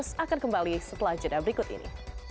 sampai jumpa di jadwal berikut ini